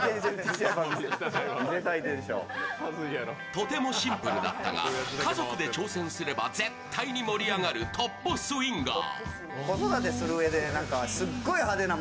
とてもシンプルだったが、家族で挑戦すれば絶対に盛り上がるトップスインガー。